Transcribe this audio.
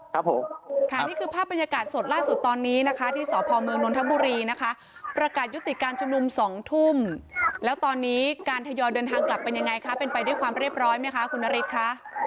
ครับผมค่ะนี่คือภาพบรรยากาศสดล่าสุดตอนนี้นะคะที่สพเมืองนนทบุรีนะคะประกาศยุติการชุมนุม๒ทุ่มแล้วตอนนี้การทยอยเดินทางกลับเป็นยังไงคะเป็นไปด้วยความเรียบร้อยไหมคะคุณนฤทธิ์ค่ะ